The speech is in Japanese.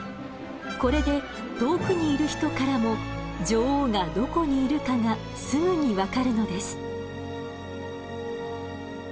これで遠くにいる人からも女王がどこにいるかがすぐに分かるのです。